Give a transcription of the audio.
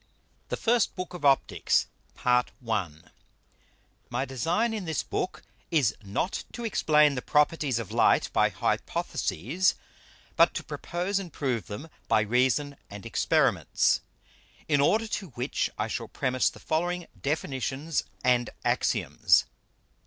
THE FIRST BOOK OF OPTICKS PART I. My Design in this Book is not to explain the Properties of Light by Hypotheses, but to propose and prove them by Reason and Experiments: In order to which I shall premise the following Definitions and Axioms.